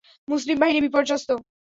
মুসলিম বাহিনী বিপর্যস্ত।